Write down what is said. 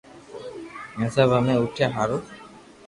ھي ھين ھمي اوٺيا ھارو